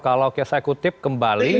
kalau saya kutip kembali